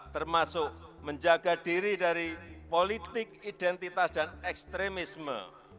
termasuk menjaga diri dari politik identitas dan ekstremisme